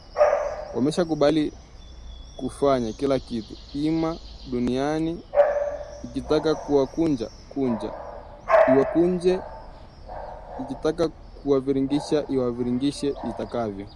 Wameshakubali kufanywa kila kitu, ima dunia ikitaka kuwakunja kunja, iwakunje, ikitaka kuwabingirisha iwabingirishe itakavyo